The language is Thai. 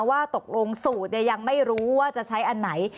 ว่าตกลงสูตรยังไม่รู้ว่าจะใช้อันไหน